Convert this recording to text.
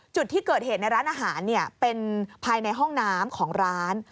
จุดที่เกิดเหตุในร้านอาหารเป็นภายในห้องน้ำของร้าน